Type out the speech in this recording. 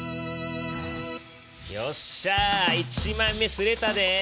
よっしゃあ１枚目刷れたで。